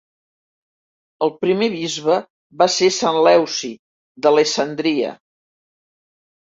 El primer bisbe va ser sant Leuci d'Alessandria.